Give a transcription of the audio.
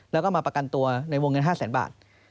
แล้วก็มาประกันตัวในวงเงิน๕แสนบาท